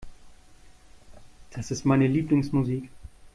Das ist meine Lieblingsmusik.